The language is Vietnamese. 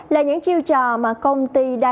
là những chiêu trò mà công ty đa cấp biến tướng đã làm